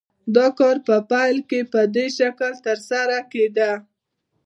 دا کار په پیل کې په دې شکل ترسره کېده